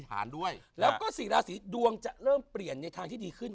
ผ่านด้วยแล้วก็สี่ราศีดวงจะเริ่มเปลี่ยนในทางที่ดีขึ้น